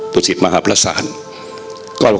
ดุสิตมหาพระภรรษา